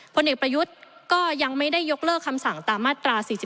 ผลเอกประยุทธ์ก็ยังไม่ได้ยกเลิกคำสั่งตามมาตรา๔๔